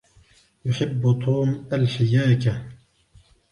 يحب توم الحياكة.